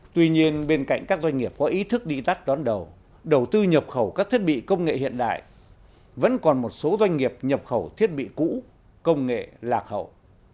tuy nhiên bên cạnh các doanh nghiệp có ý thức đi tắt đón đầu đầu tư nhập khẩu các thiết bị công nghệ hiện đại vẫn còn một số doanh nghiệp nhập khẩu thiết bị cũ công nghệ lạc hậu